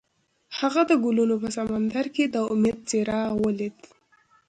هغه د ګلونه په سمندر کې د امید څراغ ولید.